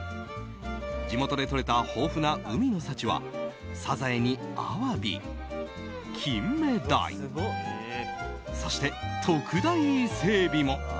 地元でとれた豊富な海の幸はサザエにアワビ、キンメダイそして特大イセエビも。